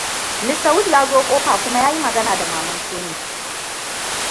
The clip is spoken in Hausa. Mr. Wood ya zo kofa kuma yayi magana da maman Tony.